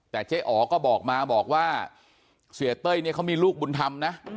แต่เจ๊อ๋อก็บอกมาบอกว่าเสียเต้ยเนี่ยเขามีลูกบุญธรรมนะ